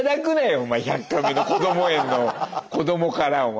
お前「１００カメ」のこども園のこどもからお前。